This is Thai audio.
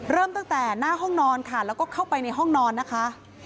เริ่มตั้งแต่หน้าห้องนอนค่ะแล้วก็เข้าไปในห้องนอนนะคะ